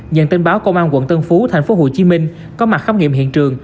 nhận tin báo công an quận tân phú thành phố hồ chí minh có mặt khám nghiệm hiện trường